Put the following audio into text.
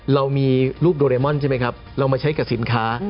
เรามีรูปโดเรมอนใช่ไหมครับเรามาใช้กับสินค้า